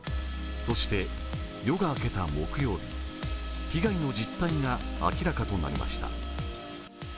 そして、夜が明けた木曜日、被害の実態が明らかとなりました。